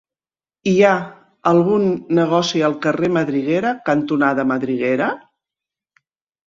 Hi ha algun negoci al carrer Madriguera cantonada Madriguera?